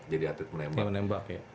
jadi atlet menembak